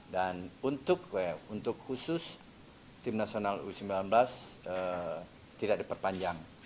dan untuk khusus tim nasional u sembilan belas tidak diperpanjang